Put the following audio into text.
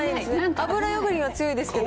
油汚れには強いですけど。